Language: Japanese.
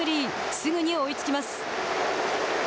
すぐに追いつきます。